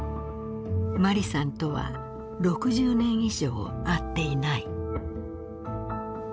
マリさんとは６０年以上会っていない。